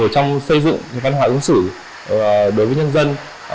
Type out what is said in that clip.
trong xây dựng văn hóa ứng xử đối với nhân dân